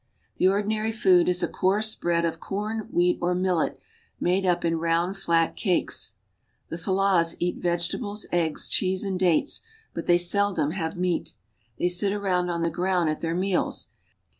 The ordinary food is a coarse bread of corn, wheat, or millet made up in round, flat cakes. The Fellahs eat vege tables, eggs, cheese, and dates; but they seldom have meat. They sit about on the ground at their meals.